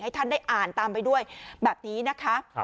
ท่านได้อ่านตามไปด้วยแบบนี้นะคะ